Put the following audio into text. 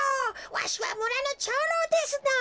わしはむらの長老ですのぉ。